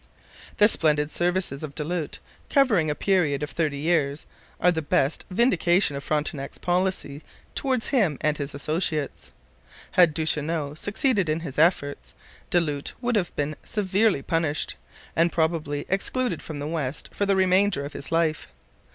The splendid services of Du Lhut, covering a period of thirty years, are the best vindication of Frontenac's policy towards him and his associates. Had Duchesneau succeeded in his efforts, Du Lhut would have been severely punished, and probably excluded from the West for the remainder of his life.